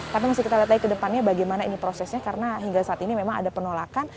tapi masih kita lihat lagi ke depannya bagaimana ini prosesnya karena hingga saat ini memang ada penolakan